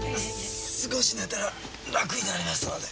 少し寝たら楽になりますので。